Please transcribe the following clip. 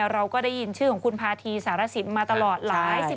เราก็ได้ยินชื่อของคุณพาธีสารสินมาตลอดหลายสิบ